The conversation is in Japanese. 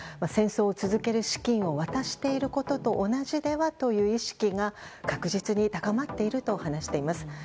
戦争を続ける資金を渡していることと同じではという意識が確実に高まっていると話しています。